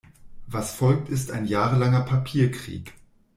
Was folgt, ist ein jahrelanger Papierkrieg.